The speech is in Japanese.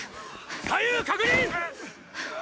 左右確認ッ！